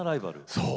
そう。